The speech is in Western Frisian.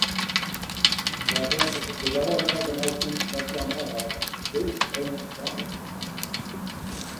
Hja hopet de dei mei te meitsjen dat hja mei har jeugdfreon trouwe sil.